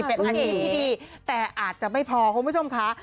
เป็นอาชีพที่ดีแต่อาจจะไม่พอคุณผู้ชมค่ะ